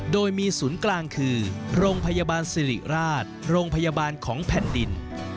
โดยมีศูนย์กลางคือโรงพยาบาลสิริราชโรงพยาบาลของแผ่นดิน